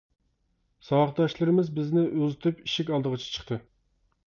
ساۋاقداشلىرىمىز بىزنى ئۇزىتىپ ئىشىك ئالدىغىچە چىقتى.